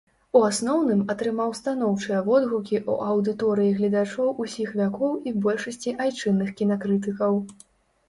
У асноўным атрымаў станоўчыя водгукі ў аўдыторыі гледачоў усіх вякоў і большасці айчынных кінакрытыкаў.